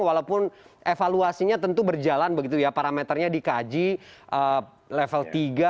walaupun evaluasinya tentu berjalan begitu ya parameternya dikaji level tiga